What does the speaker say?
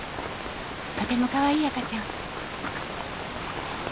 とてもかわいい赤ちゃん。